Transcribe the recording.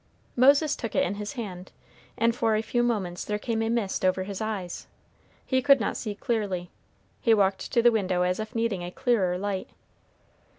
Moses took it in his hand, and for a few moments there came a mist over his eyes, he could not see clearly. He walked to the window as if needing a clearer light.